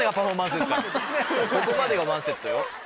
ここまでがワンセットよ。